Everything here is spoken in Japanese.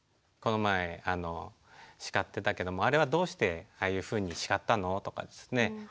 「この前叱ってたけどあれはどうしてああいうふうに叱ったの？」とかですね